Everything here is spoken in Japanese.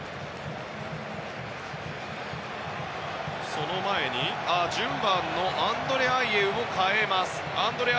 その前に、１０番のアンドレ・アイェウを代えます。